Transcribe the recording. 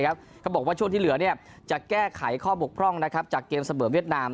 จัดบอกว่าช่วงที่เหลือเนี่ยจะแก้ไขข้อบกพร่องนะครับจากเกมสมรเวียดนาม